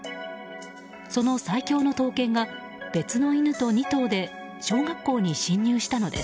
その最強の闘犬が別の犬と２頭で小学校に侵入したのです。